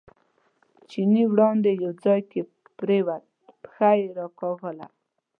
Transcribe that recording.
چیني وړاندې یو ځای کې پرېوت، پښه یې راکاږله.